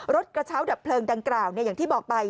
กระเช้าดับเพลิงดังกล่าวอย่างที่บอกไป